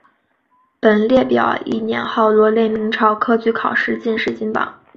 本列表依年号罗列明朝科举考试进士金榜。